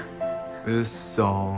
うっそん。